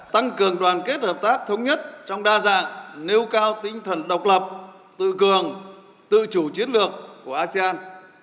tăng cường đoàn kết hợp tác thống nhất trong đa dạng nêu cao tinh thần độc lập tự cường tự chủ chiến lược của asean